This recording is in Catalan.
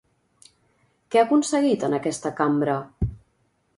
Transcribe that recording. Què ha aconseguit en aquesta cambra?